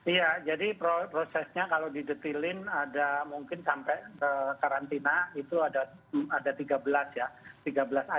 iya jadi prosesnya kalau didetilin ada mungkin sampai karantina itu ada tiga belas ya